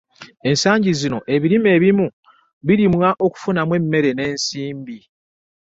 Ensangi zino ebirime ebimu birimwa okufunamu emmere n’ensimbi.